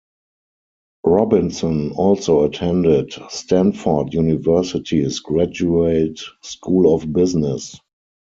Robinson also attended Stanford University's Graduate School of Business.